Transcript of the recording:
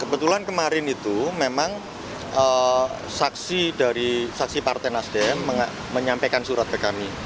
kebetulan kemarin itu memang saksi dari saksi partai nasdem menyampaikan surat ke kami